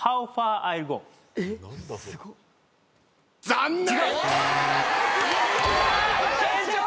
残念！